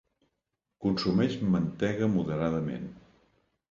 Consumeix mantega moderadament.